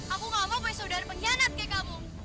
aku tidak mau bahwa saudara pengkhianat seperti kamu